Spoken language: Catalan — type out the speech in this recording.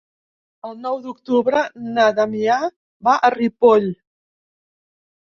El nou d'octubre na Damià va a Ripoll.